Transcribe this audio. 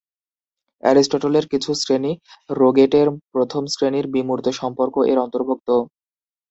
অ্যারিস্টটলের কিছু শ্রেণী রোগেটের প্রথম শ্রেণীর " বিমূর্ত সম্পর্ক" এর অন্তর্ভুক্ত।